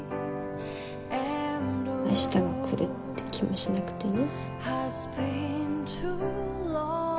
明日が来るって気もしなくてね。